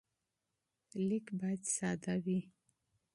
لیک باید ساده وي.